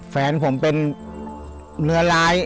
แฟนผมเป็นเนื้อร้าย